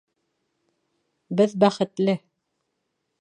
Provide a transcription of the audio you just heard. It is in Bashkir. Беҙ бәхетле!